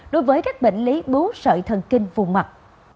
đối với các bệnh lý bú sợi thần kinh vùng mặt